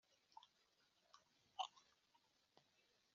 Nuko abwira abantu bose ayo magambo